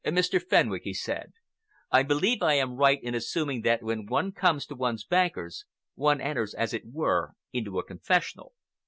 "Mr. Fenwick," he said, "I believe I am right in assuming that when one comes to one's bankers, one enters, as it were, into a confessional.